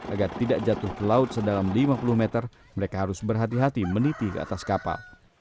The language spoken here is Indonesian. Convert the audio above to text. agar tidak jatuh ke laut sedalam lima puluh meter mereka harus berhati hati meniti ke atas kapal